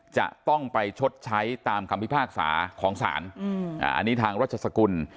จะต้องไปชดใช้ตามคำพิพากษาของศาลอันนี้ทางรัชสกุล